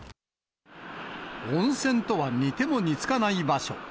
温泉とは似ても似つかない場所。